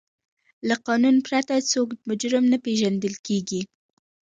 له قانون پرته څوک مجرم نه پیژندل کیږي.